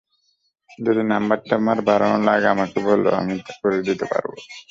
যদি নাম্বার টাম্বার বাড়ানো লাগে আমাকে বলো আমি করে দিতে পারবো।